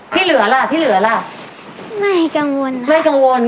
ที่เหลือล่ะที่เหลือล่ะไม่กังวลนะไม่กังวล